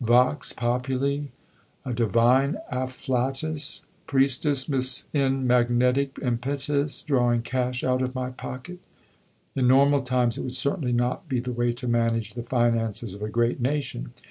Vox populi? A divine afflatus. Priestess, Miss N. Magnetic impetus drawing cash out of my pocket!" In normal times it would certainly not be the way to manage the finances of a great nation.